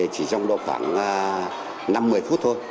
chỉ trong khoảng năm một mươi phút thôi